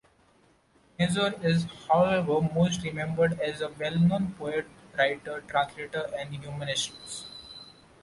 Nazor is however most remembered as a well-known poet, writer, translator, and humanist.